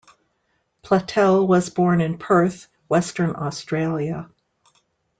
Platell was born in Perth, Western Australia.